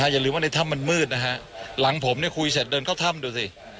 อย่าลืมว่าในถ้ำมันมืดนะฮะหลังผมเนี่ยคุยเสร็จเดินเข้าถ้ำดูสิ